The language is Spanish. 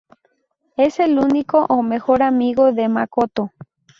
Es el único o mejor amigo de Makoto.